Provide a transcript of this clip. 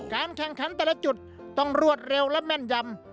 การแข่งขันแต่ละจุดต้องรวดเร็วและแม่นยำ